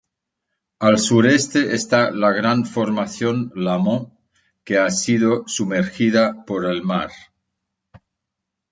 Al sureste está la gran formación Lamont que ha sido sumergida por el mar.